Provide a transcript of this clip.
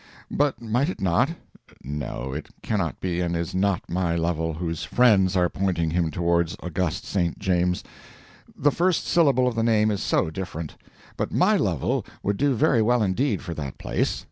But might it not—no, it cannot be and is not my Lovel whose "friends" are pointing him towards august St. James's. The first syllable of the name is so different. But my Lovel would do very well indeed for that place.